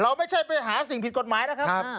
ไม่ใช่ไปหาสิ่งผิดกฎหมายนะครับ